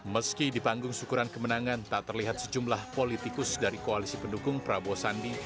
meski di panggung syukuran kemenangan tak terlihat sejumlah politikus dari koalisi pendukung prabowo sandi